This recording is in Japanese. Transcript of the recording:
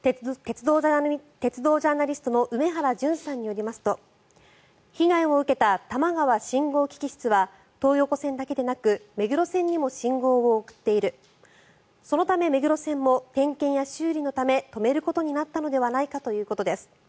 鉄道ジャーナリストの梅原淳さんによりますと被害を受けた多摩川信号機器室は東横線だけでなく目黒線にも信号を送っているそのため、目黒線も点検や修理のため止めることになったのではないかということです。